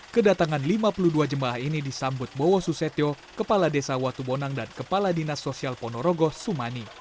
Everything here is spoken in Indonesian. kedatangan lima puluh dua jemaah ini disambut bowo susetio kepala desa watubonang dan kepala dinas sosial ponorogo sumani